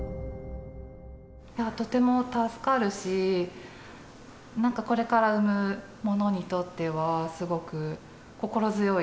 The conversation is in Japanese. とても助かるし、なんかこれから産む者にとっては、すごく心強い。